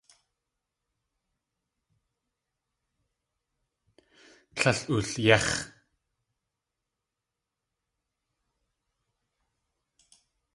Tlél oolyéx̲.